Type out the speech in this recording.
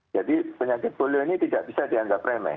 jadi penyakit polio ini tidak bisa dianggap remeh